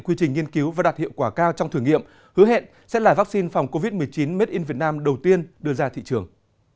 quy trình nghiên cứu và đạt hiệu quả cao trong thử nghiệm hứa hẹn sẽ là vaccine phòng covid một mươi chín made in việt nam đầu tiên đưa ra thị trường